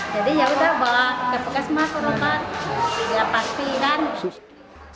jadi yaudah bawa ke puskesmas berobat biar pasti kan